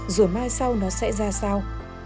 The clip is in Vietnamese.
rồi mai sau nó sẽ ra sao